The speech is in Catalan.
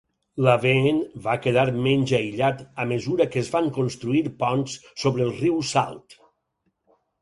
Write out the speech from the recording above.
Laveen va quedar menys aïllat a mesura que es van construir ponts sobre el riu Salt.